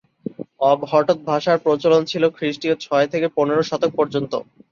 অবহট্ঠ ভাষার প্রচলন ছিল খ্রিস্টিয় ছয় থেকে পনেরো শতক পর্যন্ত।